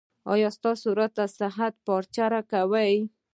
ایا تاسو راته د صحت پارچه راکوئ؟